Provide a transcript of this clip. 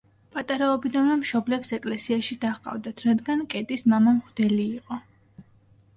პატარაობიდანვე მშობლებს ეკლესიაში დაჰყავდათ, რადგან კეტის მამა მღვდელი იყო.